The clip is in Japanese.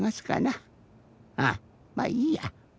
ああまあいいや。